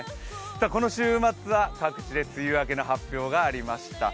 この週末は各地で梅雨明けの発表がありました。